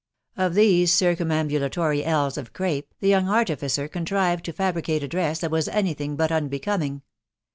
Of these circum ambulatory ells of crape, the young artificer contrived ' to fabricate a dress that was anything but unbecoming.